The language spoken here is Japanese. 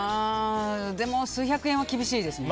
でも、数百円は厳しいですよね